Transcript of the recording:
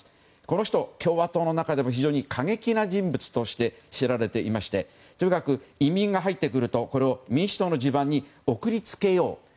この人、共和党の中でも非常に過激な人物として知られていましてとにかく移民が入ってくるとこれを民主党の地盤に送りつけよう。